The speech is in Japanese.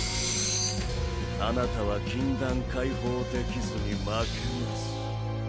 あなたは禁断解放できずに負けます。